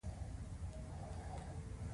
عواقب به یې خورا ګران تمام شي.